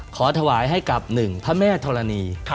ถวายให้กับ๑พระแม่ธรณี